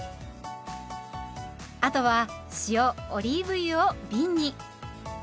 あとは塩オリーブ油をびんに。